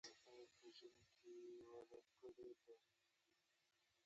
و تابلوګانو ته